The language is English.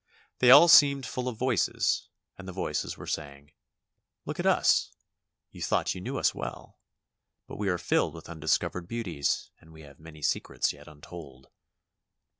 They all seemed full of voices and the voices were saying: "Look at us; you thought you knew us well, but we are filled with undiscovered beauties and we have many secrets yet untold."